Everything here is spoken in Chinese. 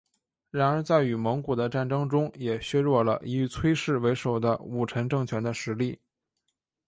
然而在与蒙古的战争中也削弱了以崔氏为首的武臣政权的实力。